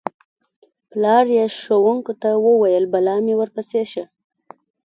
پلار یې ښوونکو ته وویل: بلا مې ورپسې شه.